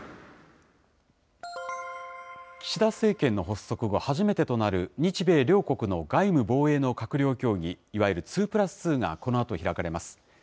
岸田政権の発足後、初めてとなる日米両国の外務・防衛の閣僚協議、いわゆる２プラス２がこのあと開かれます。